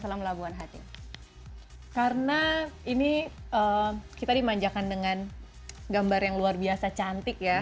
salam labuan hati karena ini kita dimanjakan dengan gambar yang luar biasa cantiknya yang